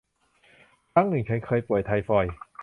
ครั้งหนึ่งฉันเคยป่วย ไทฟอยด์